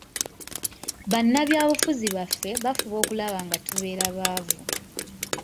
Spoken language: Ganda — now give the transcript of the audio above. Bannabyabufuzi baffe bafuba okulaba nga tubeera baavu.